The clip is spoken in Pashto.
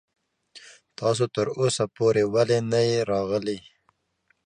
تاسو تر اوسه پورې ولې نه يې راغلی.